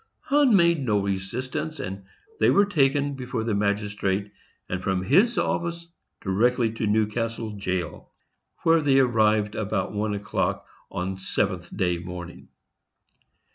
Hunn made no resistance, and they were taken before the magistrate, and from his office direct to Newcastle jail, where they arrived about one o'clock on 7th day morning.